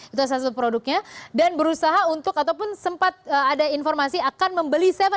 itu salah satu produknya dan berusaha untuk ataupun sempat ada informasi akan membeli tujuh